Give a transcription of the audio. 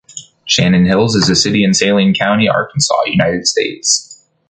Shannon Hills is a city in Saline County, Arkansas, United States.